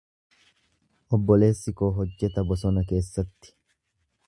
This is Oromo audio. Obboleessi koo hojjeta bosona keessatti.